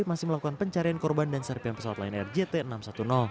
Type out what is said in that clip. masih melakukan pencarian korban dan serpian pesawat lion air jt enam ratus sepuluh